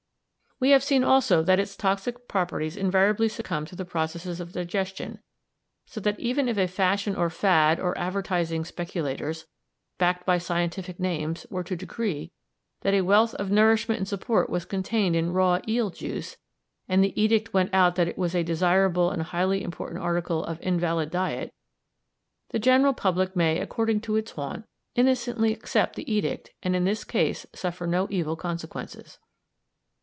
We have seen also that its toxic properties invariably succumb to the processes of digestion, so that even if fashion or fad or advertising speculators, backed by scientific names, were to decree that a wealth of nourishment and support was contained in raw eel "juice," and the edict went out that it was a desirable and highly important article of invalid diet, the general public may, according to its wont, innocently accept the edict and in this case suffer no evil consequences.